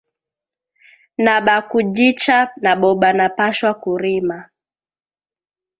Na ba kujicha nabo bana pashwa ku rima